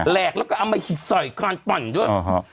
แหลกแล้วก็เอามาหิดใส่การปั่นด้วย